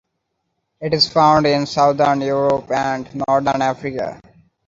It is found in southern Europe and northern Africa.